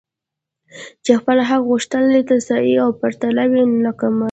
چي خپل حق غوښتلای نه سي او پراته وي لکه مړي